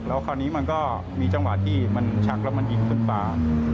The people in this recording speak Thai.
แล้วคราวนี้มันก็มีจังหวะที่มันชักแล้วมันยิงขึ้นฟ้า